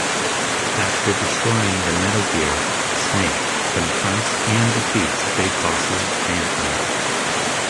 After destroying the Metal Gear, Snake confronts and defeats Big Boss's phantom.